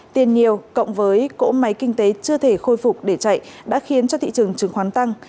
tiền nhiều cộng với cỗ máy kinh tế chưa thể khôi phục để chạy đã khiến cho thị trường chứng khoán tăng